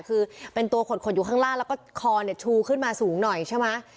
คือเป็นตัวขดอยู่ข้างล่างแล้วก็คอเนี่ยชูขึ้นมาสูงหน่อยใช่ไหม